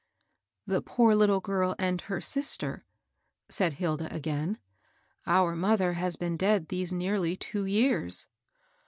^^ The poor little girl and h^ sister," said Hilda again. ^^ Our mother has been. dead these nearly two years."